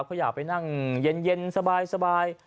เขาอยากไปนั่งเย็นสบาย